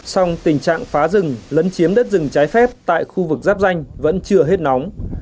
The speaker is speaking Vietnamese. song tình trạng phá rừng lấn chiếm đất rừng trái phép tại khu vực giáp danh vẫn chưa hết nóng